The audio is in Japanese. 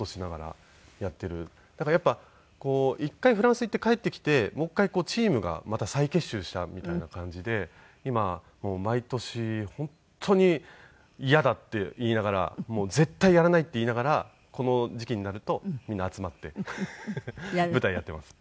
だからやっぱり一回フランス行って帰ってきてもう一回チームがまた再結集したみたいな感じで今毎年本当に「嫌だ」って言いながら「もう絶対やらない」って言いながらこの時期になるとみんな集まって舞台やっています。